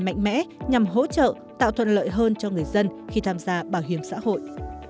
mạnh mẽ nhằm hỗ trợ tạo thuận lợi hơn cho người dân khi tham gia bảo hiểm xã hội